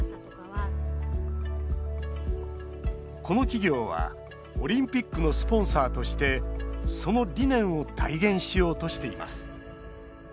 この企業はオリンピックのスポンサーとしてその理念を体現しようとしています。